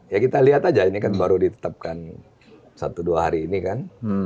ya kita lihat aja ini kan baru ditetapkan satu dua hari ini kan